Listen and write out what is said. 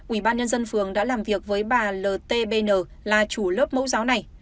ủy ban nhân dân phường đã làm việc với bà l t b n là chủ lớp mẫu giáo này